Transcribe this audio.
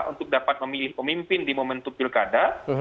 untuk dapat memilih pemimpin di momen tupilkada